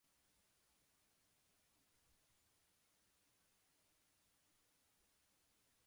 A més, disposa d’un bany annex amb dutxa i aigua calenta.